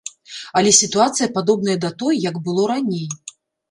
Але сітуацыя падобная да той, як было раней.